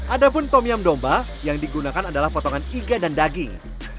ada pun tomiam domba yang digunakan adalah potongan iga dan daging